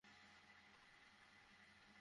Halloween কাস্টিউমের মতো dress পড়া।